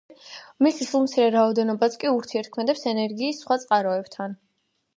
მისი სულ მცირე რაოდენობაც კი ურთიერთქმედებს ენერგიის სხვა წყაროებთან.